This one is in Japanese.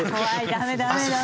ダメダメダメ！